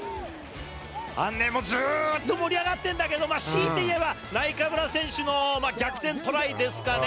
あのね、ずっと盛り上がってるんだけど、強いて言えば、ナイカブラ選手の逆転トライですかね。